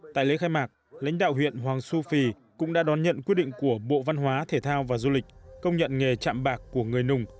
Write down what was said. tại lễ khai mạc lãnh đạo huyện hoàng su phi cũng đã đón nhận quyết định của bộ văn hóa thể thao và du lịch công nhận nghề chạm bạc của người nùng